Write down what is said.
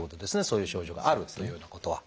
そういう症状があるというふうなことは。